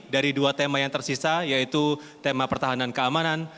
dari dua tema yang tersisa yaitu tema pertahanan keamanan